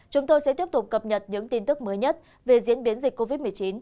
chúng tôi sẽ tiếp tục cập nhật những tin tức mới nhất về diễn biến dịch covid một mươi chín